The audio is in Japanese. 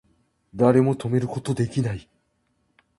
誰も止めること出来ない